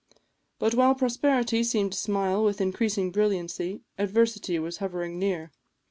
But while prosperity seemed to smile with increasing brilliancy, adversity was hovering near.